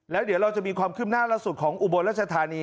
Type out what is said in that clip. แล้วเดี๋ยวเราจะมีความคืบหน้าล่าสุดของอุบลรัชธานี